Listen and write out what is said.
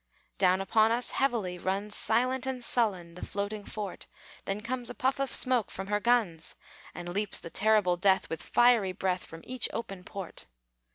Down upon us heavily runs, Silent and sullen, the floating fort; Then comes a puff of smoke from her guns, And leaps the terrible death, With fiery breath, From each open port.